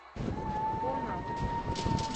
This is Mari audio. — Коно.